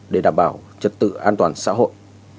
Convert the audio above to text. để đảm bảo chất tự an toàn xã hội